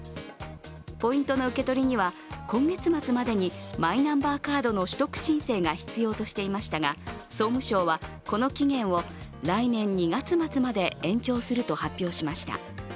ポイントの受け取りには今月末までにマイナンバーカードの取得申請が必要としていましたが、総務省は、この期限を来年２月末まで延長すると発表しました。